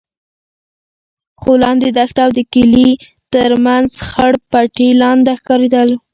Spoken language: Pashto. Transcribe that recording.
خو لاندې دښته او د کلي تر مخ خړ پټي لانده ښکارېدل.